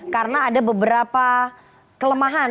karena ada beberapa kelemahan